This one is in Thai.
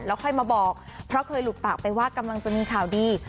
ค่อยมาบอกเพราะเคยหลุดปากไปว่ากำลังจะมีข่าวดี